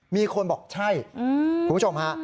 มีคนบอกใช่คุณผู้ชมฮะ